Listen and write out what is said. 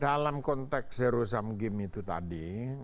dalam konteks zero sum game itu tadi